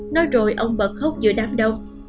nói rồi ông bật khóc giữa đám đông